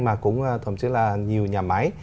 mà cũng thậm chí là nhiều nhà máy